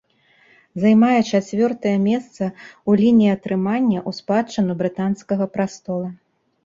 Займае чацвёртае месца ў лініі атрымання ў спадчыну брытанскага прастола.